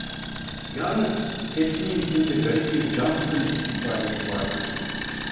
Yalnız hepsinin yüzünde garip bir can sıkıntısı ifadesi vardır.